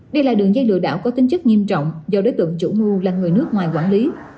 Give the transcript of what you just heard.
đây là đường dây lừa đảo có tính chất nghiêm trọng do đối tượng chủ mưu là người nước ngoài quản lý